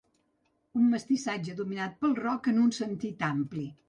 Un mestissatge dominat pel rock en sentit ampli.